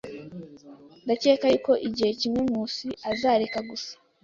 Ndakeka yuko igihe kimwe Nkusi azareka gusa.